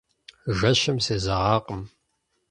Жэщым сезэгъакъым.